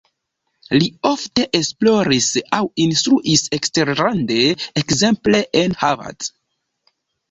Li ofte esploris aŭ instruis eksterlande, ekzemple en Harvard.